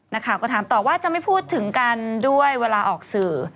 นักข่าวก็ถามต่อว่าจะไม่พูดถึงกันด้วยเวลาออกสื่อ